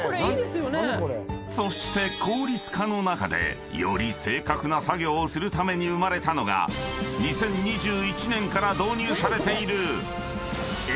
［そして効率化の中でより正確な作業をするために生まれたのが２０２１年から導入されている］